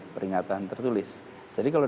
peringatan tertulis jadi kalau